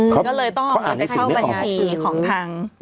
ก็เลยต้องเข้าบัญชีของทาง